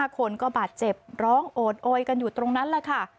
คนก็บาดเจ็บร้องโอดโอยกันอยู่ตรงนั้นแหละค่ะ